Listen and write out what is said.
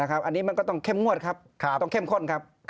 อันนี้มันก็ต้องเข้มงวดครับต้องเข้มข้นครับ